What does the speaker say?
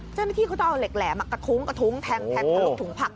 เจ้าหน้าที่ก็ต้องเอาเหล็กแหลมกระคุ้งกระทุ้งแทงทะลุถุงผัก